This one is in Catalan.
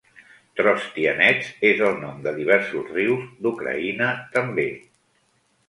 Trostianets és el nom de diversos rius d'Ucraïna també.